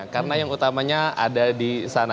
karena yang utamanya ada di sana